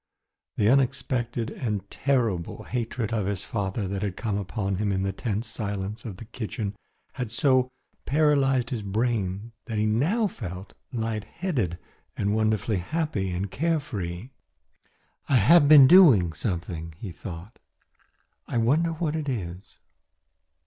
The unexpected and terrible hatred of his father that had come upon him in the tense silence of the kitchen had so paralysed his brain that he now felt light headed and wonderfully happy and carefree. "I have been doing something," he thought; "I wonder what it is."